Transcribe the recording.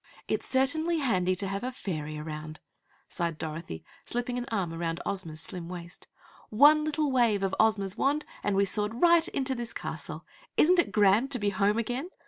"It's certainly handy to have a Fairy around," sighed Dorothy, slipping an arm around Ozma's slim waist. "One little wave of Ozma's wand and we soared right into this castle! Isn't it grand to be home again?